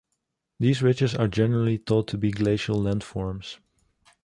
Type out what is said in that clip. These ridges are generally thought to be glacial landforms.